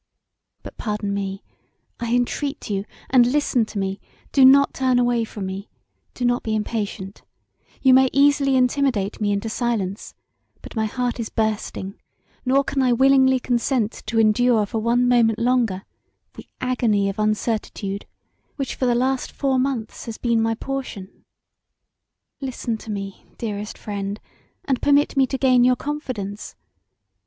But pardon me, I entreat you and listen to me: do not turn away from me; do not be impatient; you may easily intimidate me into silence, but my heart is bursting, nor can I willingly consent to endure for one moment longer the agony of uncertitude which for the last four months has been my portion. "Listen to me, dearest friend, and permit me to gain your confidence.